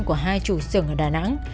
của hai chủ xưởng ở đà nẵng